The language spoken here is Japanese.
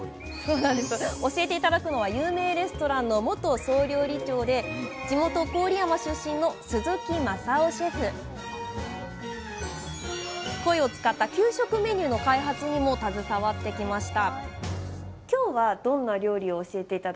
教えて頂くのは有名レストランの元総料理長で地元郡山出身のコイを使った給食メニューの開発にも携わってきました